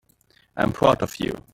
I'm proud of you.